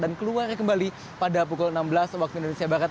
dan keluar kembali pada pukul enam belas waktu indonesia barat